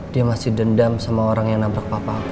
dia masih dendam sama orang yang nabrak papa